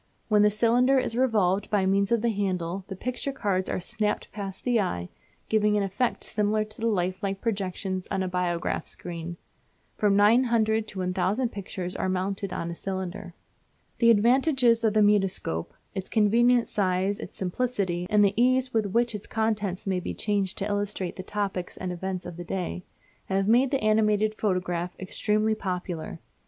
When the cylinder is revolved by means of the handle the picture cards are snapped past the eye, giving an effect similar to the lifelike projections on a biograph screen. From 900 to 1000 pictures are mounted on a cylinder. The advantages of the mutoscope its convenient size, its simplicity, and the ease with which its contents may be changed to illustrate the topics and events of the day have made the animated photograph extremely popular.